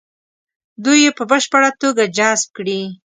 دوی یې په بشپړه توګه جذب کړي.